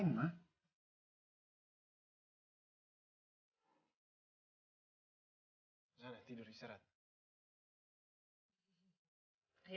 masa gue tidur disini lagi sih